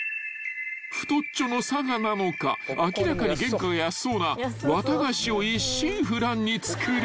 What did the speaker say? ［太っちょのさがなのか明らかに原価が安そうな綿菓子を一心不乱に作る］